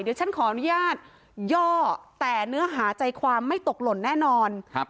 เดี๋ยวฉันขออนุญาตย่อแต่เนื้อหาใจความไม่ตกหล่นแน่นอนครับ